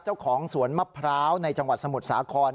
เจ้าของสวนมะพร้าวในจังหวัดสมุทรสาคร